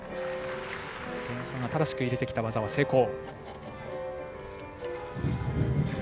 前半、新しく入れてきた技は成功。